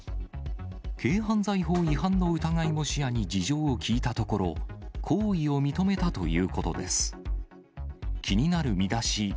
軽犯罪法違反の疑いも視野に事情を聴いたところ、行為を認めたということです。